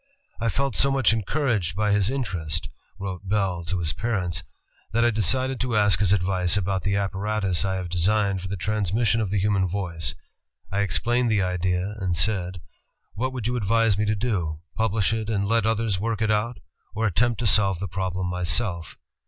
"I felt so much encouraged by his interest," wrote Bell to his parents, "that I decided to ask his advice about the apparatus I have designed for the transmission of the himoian voice. I explained the idea and said: 'What would you advise me to do, publish it and let others work it out, or attempt to solve the problem myself?'